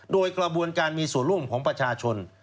โดยกระบวนการมีส่วนร่วมของประชาชน